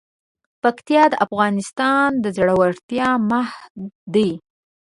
پکتیا د افغانستان د زړورتیا مهد دی.